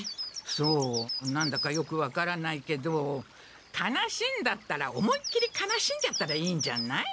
そう何だかよく分からないけど悲しいんだったら思いっきり悲しんじゃったらいいんじゃない？